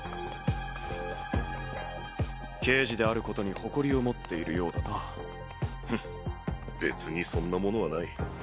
刑事であることに誇りを持っているようだふんっ別にそんなものはない。